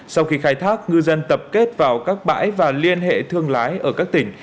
sau khi khai thác ngư dân tập kết vào các bãi và liên hệ thương lái ở các tỉnh